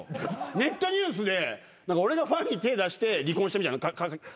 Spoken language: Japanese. ネットニュースで俺がファンに手出して離婚したみたいな書き方してて。